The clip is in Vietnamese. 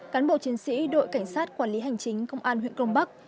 cán bộ chiến sĩ đội cảnh sát quản lý hành chính công an huyện cron park